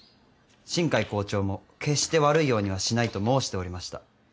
新偕校長も決して悪いようにはしないと申しておりました。